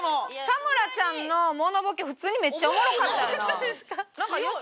田村ちゃんのモノボケ普通にめっちゃおもろかったよな。